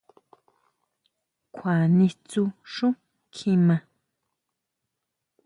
¿Kjua nistsjú xú kjimá?